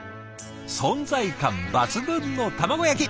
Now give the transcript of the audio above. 存在感抜群の卵焼き！